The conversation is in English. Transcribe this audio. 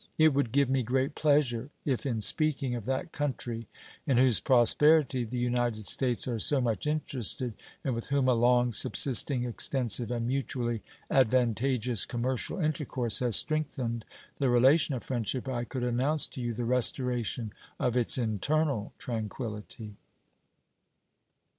It would give me great pleasure if in speaking of that country, in whose prosperity the United States are so much interested, and with whom a long subsisting, extensive, and mutually advantageous commercial intercourse has strengthened the relation of friendship, I could announce to you the restoration of its internal tranquillity.